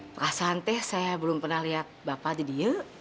perasaan teh saya belum pernah lihat bapak didi